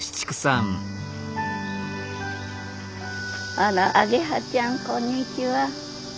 あらアゲハちゃんこんにちは。